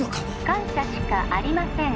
☎感謝しかありません